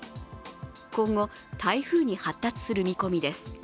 今後、台風に発達する見込みです。